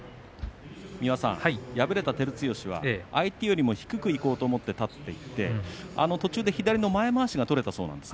敗れた照強は相手よりも低くいこうと思って立っていって途中で左の前まわしが取れたそうです。